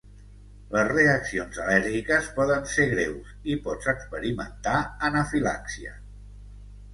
Les reaccions al·lèrgiques poden ser greus i pots experimentar anafilaxia.